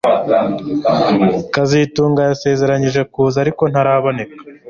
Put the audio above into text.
kazitunga yasezeranije kuza ariko ntaraboneka